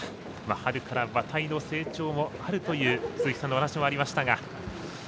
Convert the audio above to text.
春から馬体の成長もあるという鈴木さんの話もありましたが。